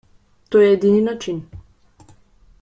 To je edini način.